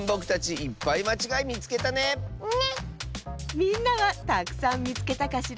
みんなはたくさんみつけたかしら？